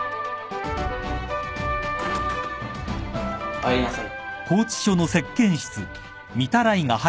入りなさい。